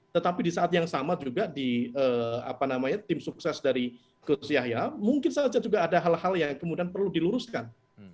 tetapi di saat yang sama juga di apa namanya tim sukses dari gus yahya mungkin saja juga ada hal hal yang kemudian perlu diluruskan